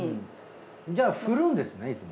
じゃあ振るんですねいつも。